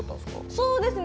そうですね。